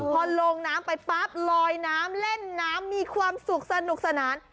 พอลงน้ำไปปั๊บลอยน้ำเล่นน้ำมีความสุขสนุกสนาน